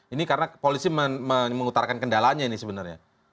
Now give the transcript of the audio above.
ini karena polisi mengutarkan kendalanya ini sebenarnya